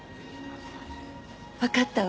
わかったわ。